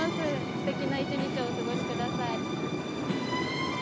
すてきな一日をお過ごしください。